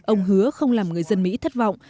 ông hứa không làm người dân mỹ thất vọng